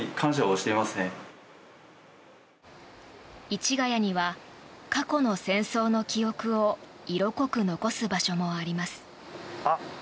市ヶ谷には過去の戦争の記憶を色濃く残す場所もあります。